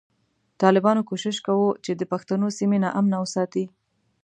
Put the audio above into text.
ټالبانو کوشش کوو چی د پښتنو سیمی نا امنه وساتی